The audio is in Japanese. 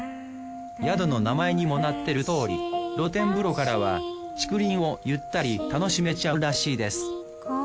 宿の名前にもなっているとおり露天風呂からは竹林をゆったり楽しめちゃうらしいですおぉ。